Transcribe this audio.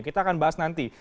kita akan bahas nanti